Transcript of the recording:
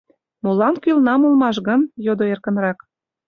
— Молан кӱлынам улмаш гын? — йодо эркынрак.